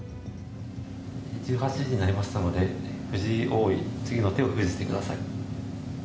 １８時になりましたので、藤井王位、次の手を封じてください。